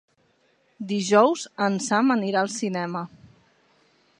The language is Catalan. Dijous en Sam anirà al cinema.